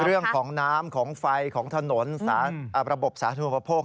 เรื่องของน้ำของไฟของถนนระบบสาธุปโภค